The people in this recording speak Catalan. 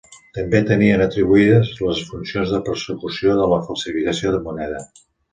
També tenien atribuïdes les funcions de persecució de la falsificació de moneda.